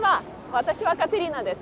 私はカテリーナです。